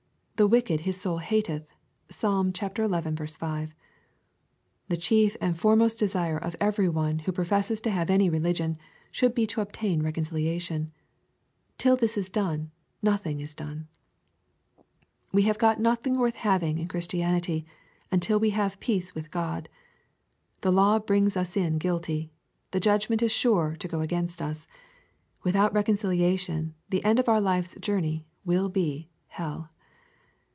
" The wicked his soul hateth.*' (PsaL xi. 5.) The chief and foremost desire of every one who pro fesses to have any religion, should be to obtain recon ciliation. Till this is done, nothing is done. We have got nothing worth having in Christianity, until we have peace with God. The law brings us in guilty. The judgment is sure to go against us. Without reconcilia tion, the end of our Life's journey will be hell.